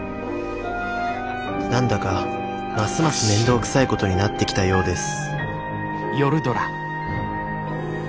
何だかますます面倒くさいことになってきたようです